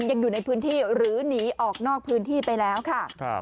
ยังอยู่ในพื้นที่หรือหนีออกนอกพื้นที่ไปแล้วค่ะ